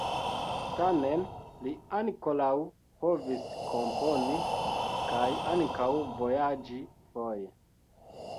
Tamen li ankoraŭ povis komponi kaj ankaŭ vojaĝi foje.